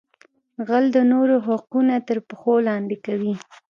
غل د نورو حقونه تر پښو لاندې کوي